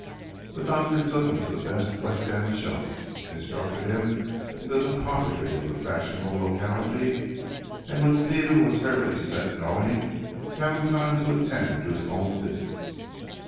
The doctor took him to the best West End shops, instructed him in the topography of the fashionable locality, and when Stephen was fairly set going, found time to attend to his own business.